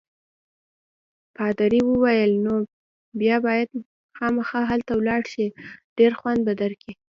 پادري وویل: نو بیا باید خامخا هلته ولاړ شې، ډېر خوند به درکړي.